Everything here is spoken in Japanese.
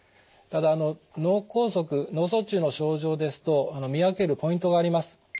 ただ脳梗塞脳卒中の症状ですと見分けるポイントがあります。